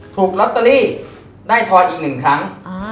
ถูกลอตเตอรี่ได้ทอดอีก๑ครั้ง